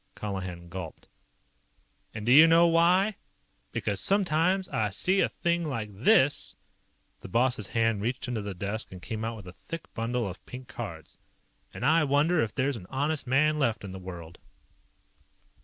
Colihan gulped. "And do you know why? Because sometimes I see a thing like this " the boss's hand reached into the desk and came out with a thick bundle of pink cards "and I wonder if there's an honest man left in the world."